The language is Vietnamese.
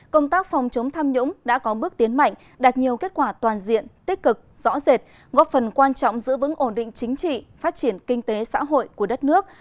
công tác phòng chống tham nhũng đã có bước tiến mạnh đạt nhiều kết quả toàn diện tích cực rõ rệt góp phần quan trọng giữ vững ổn định chính trị phát triển kinh tế xã hội của đất nước